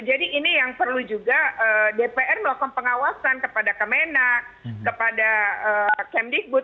jadi ini yang perlu juga dpr melakukan pengawasan kepada kem enak kepada kem digut